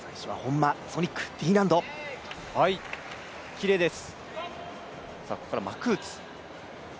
きれいです。